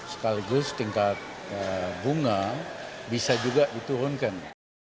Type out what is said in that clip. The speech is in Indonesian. sekaligus tingkat bunga bisa juga diturunkan